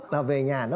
nó về nhà nó